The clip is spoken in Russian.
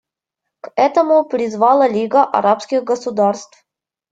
К этому призвала Лига арабских государств.